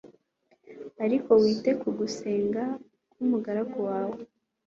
ariko wite ku gusenga k umugaragu wawe